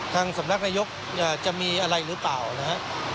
สำนักนายกจะมีอะไรหรือเปล่านะฮะ